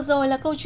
tôi thích mọi thứ